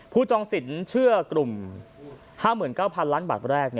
ผู้จองสิทธิ์เชื่อกลุ่ม๕๙๐๐๐บาทแรก